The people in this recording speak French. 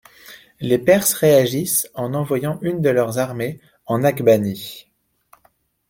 Les Perses réagissent en envoyant une de leurs armées en Aghbanie.